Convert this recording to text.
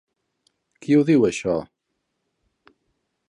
Qui ho diu, això?